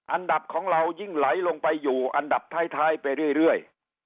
อันดับของเรายิ่งไหลลงไปอยู่อันดับท้ายไปเรื่อย